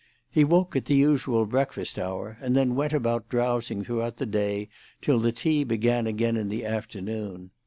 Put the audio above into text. He woke at the usual breakfast hour, and then went about drowsing throughout the day till the tea began again in the afternoon.